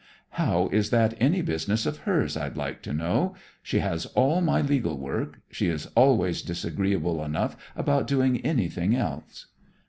"How is that any business of hers, I'd like to know? She has all my legal work. She is always disagreeable enough about doing anything else."